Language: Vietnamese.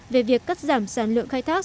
về việc cắt giảm sản lượng khai thác